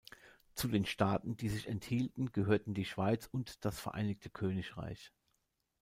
Zu den Staaten, die sich enthielten, gehörten die Schweiz und das Vereinigte Königreich.